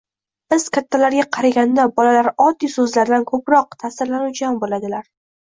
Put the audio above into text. Biz, kattalarga qaraganda bolalar oddiy so‘zlardan ko‘proq ta’sirlanuvchan bo‘ladilar.